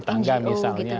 atau ngo gitu ya